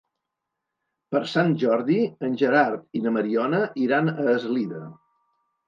Per Sant Jordi en Gerard i na Mariona iran a Eslida.